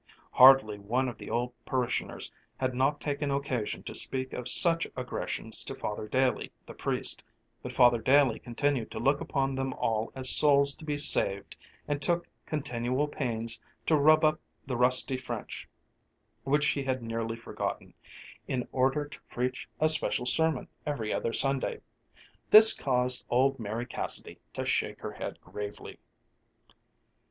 Hardly one of the old parishioners had not taken occasion to speak of such aggressions to Father Daley, the priest, but Father Daley continued to look upon them all as souls to be saved and took continual pains to rub up the rusty French which he had nearly forgotten, in order to preach a special sermon every other Sunday. This caused old Mary Cassidy to shake her head gravely.